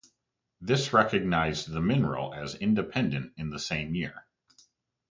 This recognized the mineral as independent in the same year.